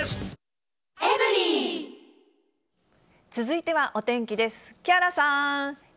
続いてはお天気です。